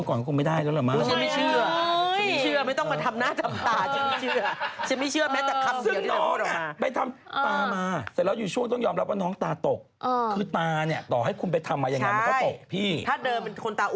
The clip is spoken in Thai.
วิ่งปุ่นมากหุ่นพุทธนี่คือมันแบบดีมากหุ่นดีทุกอย่าง